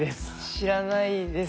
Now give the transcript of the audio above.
知らないです。